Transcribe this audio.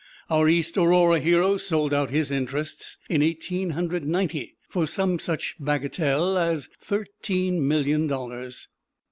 Our East Aurora hero sold out his interests, in Eighteen Hundred Ninety, for some such bagatelle as thirteen million dollars.